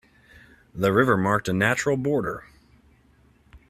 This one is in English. The river marked a natural border.